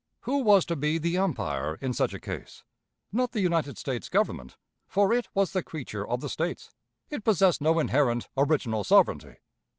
Who was to be the umpire in such a case? Not the United States Government, for it was the creature of the States; it possessed no inherent, original sovereignty.